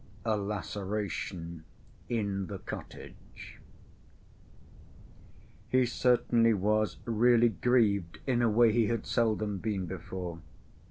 A Laceration In The Cottage He certainly was really grieved in a way he had seldom been before.